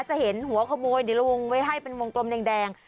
จะเห็นหัวขโมยเดี๋ยวเราวงไว้ให้เป็นวงกลมแดง